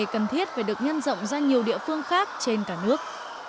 cần thiết phải được nhân rộng ra nhiều địa phương khác trên cả nước